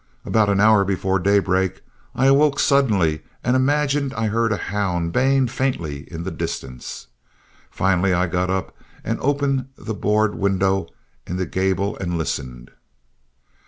About an hour before daybreak, I awoke suddenly and imagined I heard a hound baying faintly in the distance. Finally I got up and opened the board window in the gable and listened.